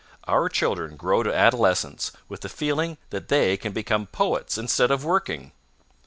Our children grow to adolescence with the feeling that they can become poets instead of working.